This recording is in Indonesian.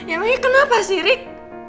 emang ini kenapa sih rick